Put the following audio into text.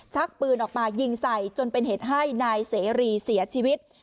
ชักปืนออกมายิงใส่จนเป็นเหตุให้นายเสรีเสียชีวิต